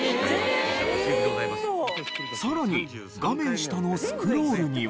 さらに画面下のスクロールには。